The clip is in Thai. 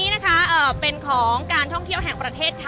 อาจจะออกมาใช้สิทธิ์กันแล้วก็จะอยู่ยาวถึงในข้ามคืนนี้เลยนะคะ